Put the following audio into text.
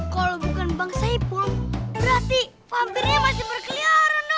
kalau bukan bang saipul berarti vampirnya masih berkeliaran dong